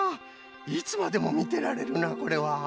いつまでもみてられるなこれは。